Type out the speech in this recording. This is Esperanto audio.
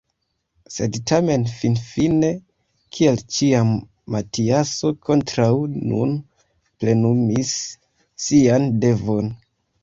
Sed tamen finfine kiel ĉiam Matiaso kontraŭ nun plenumis sian devon.